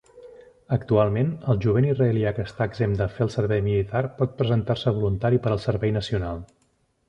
Actualment, el jovent israelià que està exempt de fer el servei militar pot presentar-se voluntari per al servei nacional.